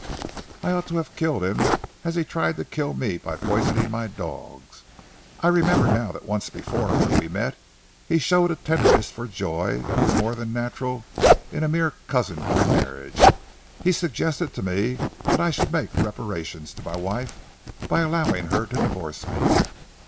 I ought to have killed him as he tried to kill me by poisoning my dogs. I remember now that once before when we met, he showed a tenderness for Joy that was more than natural in a mere cousin by marriage. He suggested to me that I should make reparations to my wife by allowing her to divorce me!"